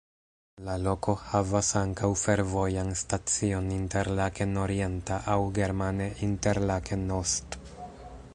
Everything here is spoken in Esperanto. La loko havas ankaŭ fervojan stacion Interlaken orienta aŭ germane "Interlaken Ost.